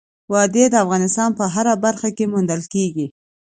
وادي د افغانستان په هره برخه کې موندل کېږي.